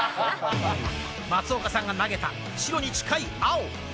松岡さんが投げた、白に近い青。